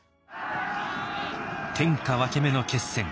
天下分け目の決戦。